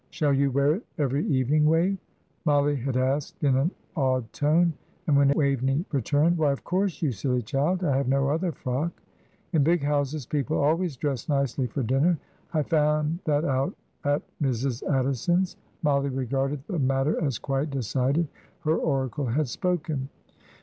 "Shall you wear it every evening, Wave?" Mollie had asked in an awed tone; and when Waveney returned, "Why, of course, you silly child, I have no other frock. In big houses people always dress nicely for dinner; I found that out at Mrs. Addison's," Mollie regarded the matter as quite decided her oracle had spoken.